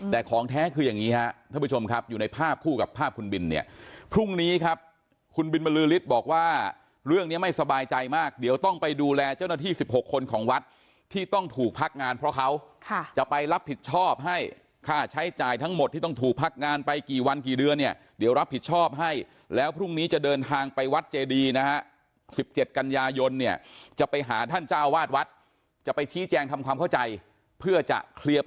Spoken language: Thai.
แต่ของแท้คืออย่างนี้ครับท่านผู้ชมครับอยู่ในภาพคู่กับภาพคุณบินเนี่ยพรุ่งนี้ครับคุณบินบรรลือฤทธิ์บอกว่าเรื่องนี้ไม่สบายใจมากเดี๋ยวต้องไปดูแลเจ้าหน้าที่๑๖คนของวัดที่ต้องถูกพักงานเพราะเขาจะไปรับผิดชอบให้ค่าใช้จ่ายทั้งหมดที่ต้องถูกพักงานไปกี่วันกี่เดือนเนี่ยเดี๋ยวรับผิดชอบ